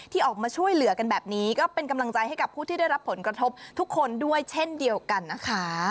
ที่ออกมาช่วยเหลือกันแบบนี้ก็เป็นกำลังใจให้กับผู้ที่ได้รับผลกระทบทุกคนด้วยเช่นเดียวกันนะคะ